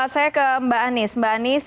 saya ke mbak anies